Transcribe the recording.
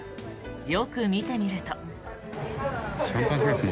よく見てみると。